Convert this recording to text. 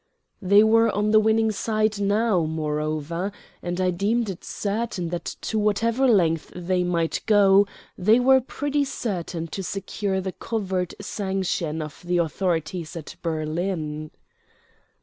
They were on the winning side now, moreover, and I deemed it certain that to whatever lengths they might go they were pretty certain to secure the covert sanction of the authorities at Berlin.